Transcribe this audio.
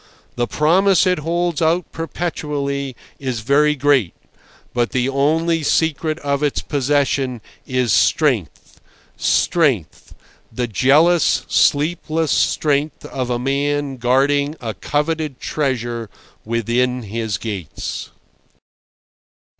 The promise it holds out perpetually is very great; but the only secret of its possession is strength, strength—the jealous, sleepless strength of a man guarding a coveted treasure within his gates.